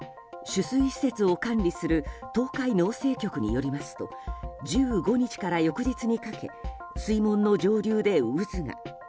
取水施設を管理する東海農政局によりますと１５日から翌日にかけ水門の上流で渦が。